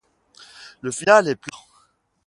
Le final est plat.